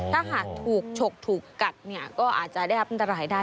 ถ้าหากถูกฉกถูกกัดเนี่ยก็อาจจะได้รับอันตรายได้